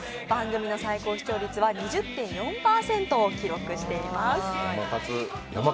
番組の最高視聴率は２０．４％を記録しています。